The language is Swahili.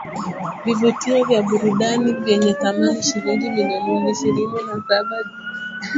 Vivutio vya burudani vyenye thamani shilingi milioni ishirini na saba Jose pia anamiliki magari